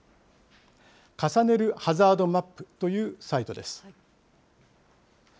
重ねるハザードマップというサイトです。